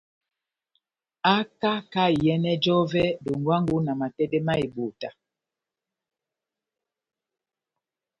Haka kahá iyɛnɛ j'ɔvɛ dongwango na matɛdɛ ma ebota.